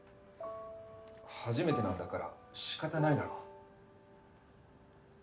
初めてなんだから仕方ないだろう。